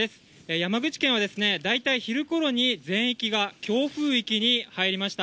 山口県は大体昼ごろに全域が強風域に入りました。